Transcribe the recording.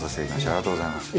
ありがとうございます。